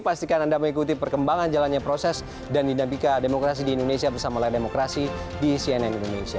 pastikan anda mengikuti perkembangan jalannya proses dan dinamika demokrasi di indonesia bersama layar demokrasi di cnn indonesia